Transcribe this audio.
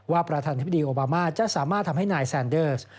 ประธานธิบดีโอบามาจะสามารถทำให้นายแซนเดอร์ส